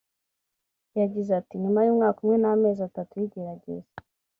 yagize ati “Nyuma y’umwaka umwe n’amezi atatu y’igerageza